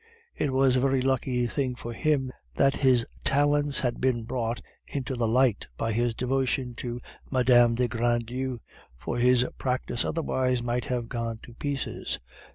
It was a very lucky thing for him that his talents had been brought into the light by his devotion to Mme. de Grandlieu, for his practice otherwise might have gone to pieces.